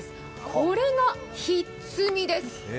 これが、ひっつみです。